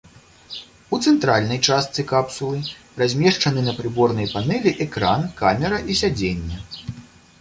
У цэнтральнай частцы капсулы размешчаны на прыборнай панэлі экран, камера і сядзенне.